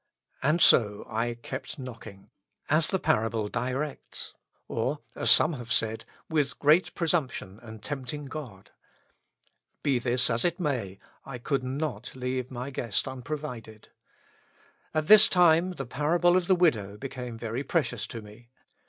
And so I kept knocking, as the parable directs, or, as some have said, with great presumption and tempting God. Be 132 With Christ in the School of Prayer. this as it may, I could not leave my guest unprovided. At this time the parable of the widow became very precious to me.